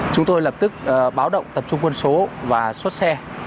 chúng tôi lập tức báo động tập trung quân số và xuất xe